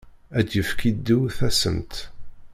Ad d-yefk yiddew tassemt!